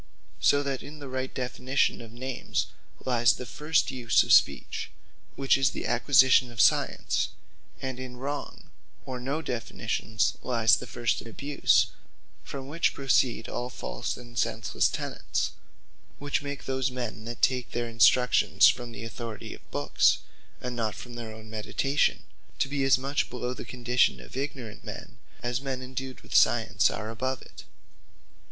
So that in the right Definition of Names, lyes the first use of Speech; which is the Acquisition of Science: And in wrong, or no Definitions' lyes the first abuse; from which proceed all false and senslesse Tenets; which make those men that take their instruction from the authority of books, and not from their own meditation, to be as much below the condition of ignorant men, as men endued with true Science are above it.